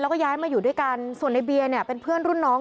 แล้วก็ย้ายมาอยู่ด้วยกันส่วนในเบียร์เนี่ยเป็นเพื่อนรุ่นน้อง